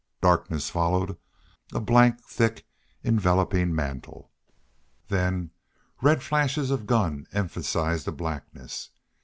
Darkness followed a blank, thick, enveloping mantle. Then red flashes of guns emphasized the blackness.